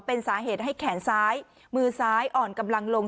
เป็นสาเหตุให้แขนซ้ายมือซ้ายอ่อนกำลังลง